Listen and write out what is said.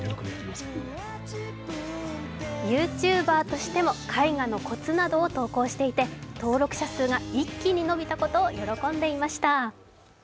ＹｏｕＴｕｂｅｒとしても絵画のコツなどを投稿していて、登録者数が一気に伸びたことを喜んでいました。